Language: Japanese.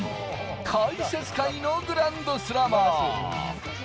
解説界のグランドスラマー！